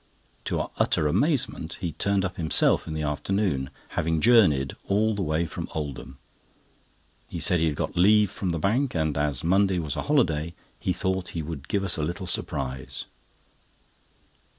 To our utter amazement he turned up himself in the afternoon, having journeyed all the way from Oldham. He said he had got leave from the bank, and as Monday was a holiday he thought he would give us a little surprise.